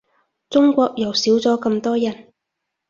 中國又少咗咁多人